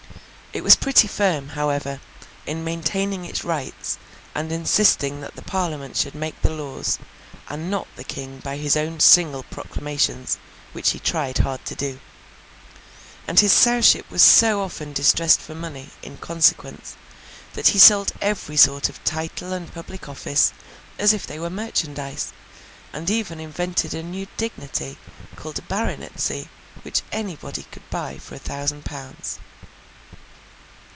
It was pretty firm, however, in maintaining its rights, and insisting that the Parliament should make the laws, and not the King by his own single proclamations (which he tried hard to do); and his Sowship was so often distressed for money, in consequence, that he sold every sort of title and public office as if they were merchandise, and even invented a new dignity called a Baronetcy, which anybody could buy for a thousand pounds.